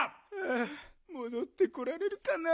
あもどってこられるかな？